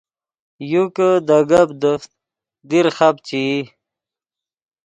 یو کہ دے گپ دیفت دیر خپ چے ای